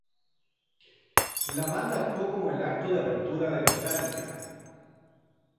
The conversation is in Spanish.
La banda actuó como el acto de apertura de Metallica.